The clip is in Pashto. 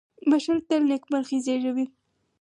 • بښل تل نېکمرغي زېږوي.